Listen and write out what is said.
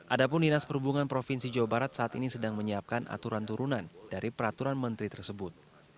adapun dinas perhubungan provinsi jawa barat saat ini sedang menyiapkan aturan turunan dari peraturan menteri tersebut